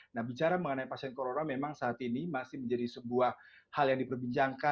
nah bicara mengenai pasien corona memang saat ini masih menjadi sebuah hal yang diperbincangkan